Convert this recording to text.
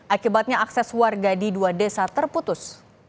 akibatnya akses warga di dua desa terputus